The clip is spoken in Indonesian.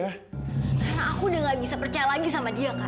karena aku udah gak bisa percaya lagi sama dia kak